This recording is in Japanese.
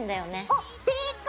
おっ正解！